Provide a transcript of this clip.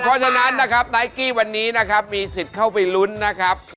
เพราะฉะนั้นนะครับไนกี้วันนี้นะครับมีสิทธิ์เข้าไปลุ้นนะครับ